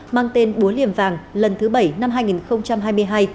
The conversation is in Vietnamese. mang tên búa liềm vàng lần thứ bảy năm hai nghìn hai mươi hai